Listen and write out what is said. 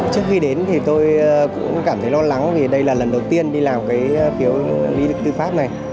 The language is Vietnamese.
trước khi đến tôi cũng cảm thấy lo lắng vì đây là lần đầu tiên đi làm phiếu lý tư pháp này